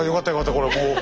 これもう。